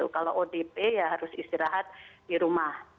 kalau odp ya harus istirahat di rumah